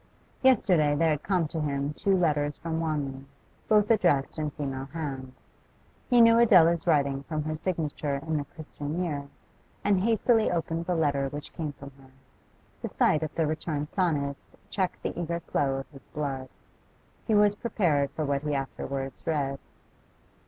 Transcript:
Yesterday there had come to him two letters from Wanley, both addressed in female hand. He knew Adela's writing from her signature in the 'Christian Year,' and hastily opened the letter which came from her. The sight of the returned sonnets checked the eager flow of his blood; he was prepared for what he afterwards read.